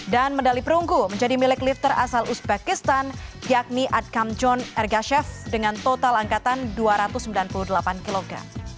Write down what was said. dan medali perunggu menjadi milik lifter asal uzbekistan yakni adkam john ergachev dengan total angkatan dua ratus sembilan puluh delapan kg